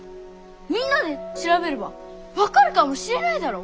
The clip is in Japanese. みんなで調べれば分かるかもしれないだろ！